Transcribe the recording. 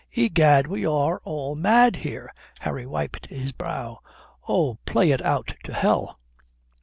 "Egad, we are all mad here," Harry wiped his brow. "Oh, play it out to hell."